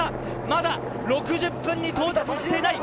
まだ６０分に到達していない。